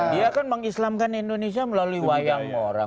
dia kan mengislamkan indonesia melalui wayang orang